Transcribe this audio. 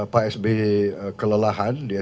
pak sb kelelahan